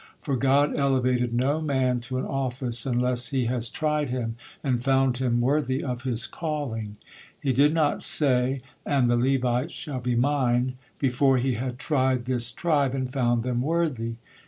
"For God elevated no man to an office unless He has tried him and found him worthy of his calling." He did not say, "and the Levites shall be Mine," before He had tried this tribe, and found them worthy.